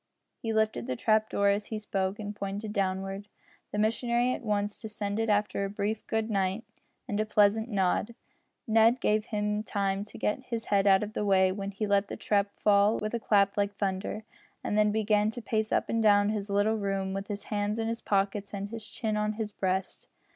He lifted the trap door as he spoke, and pointed downward. The missionary at once descended after a brief "good night," and a pleasant nod. Ned just gave him time to get his head out of the way when he let the trap fall with a clap like thunder, and then began to pace up and down his little room with his hands in his pockets and his chin on his breast.